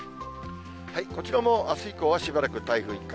こちらもあす以降はしばらく台風一過。